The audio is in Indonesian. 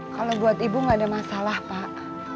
kalau buat ibu gak ada masalah pak